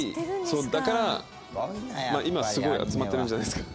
だから、今、すごい集まってるんじゃないですか。